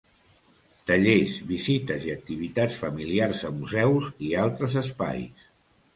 Tallers, visites i activitats familiars a museus i altres espais.